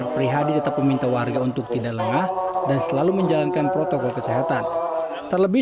prihadi tetap meminta warga untuk tidak lengah dan selalu menjalankan protokol kesehatan terlebih